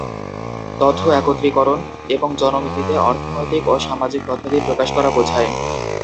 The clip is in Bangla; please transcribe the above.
তথ্য একত্রীকরণ এবং জনমিতিতে অর্থনৈতিক ও সামাজিক তথ্যাদি প্রকাশ করা বোঝায়।